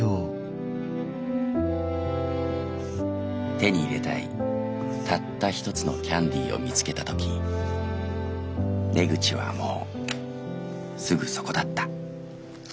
「手に入れたいたった一つのキャンディーを見つけた時出口はもうすぐそこだった」。